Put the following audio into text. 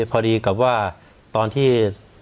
พอดีกับว่าตอนที่